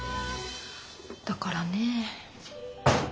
だからね。